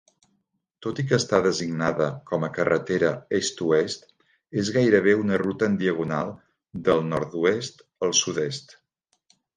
Tot i que està designada com a carretera est-oest, és gairebé una ruta en diagonal del nord-oest al sud-est.